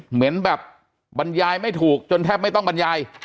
เหมือนแบบบรรยายไม่ถูกจนแทบไม่ต้องบรรยาย